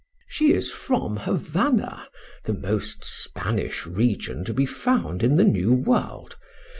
"She is from Havana the most Spanish region to be found in the New World.